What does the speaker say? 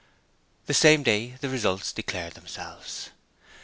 The same day the results declared themselves.